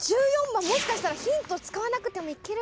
１４番もしかしたらヒント使わなくてもいけるかな。